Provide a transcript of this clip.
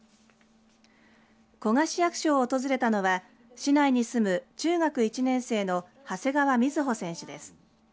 古河市役所を訪れたのは市内に住む中学１年生の長谷川瑞穂選手です。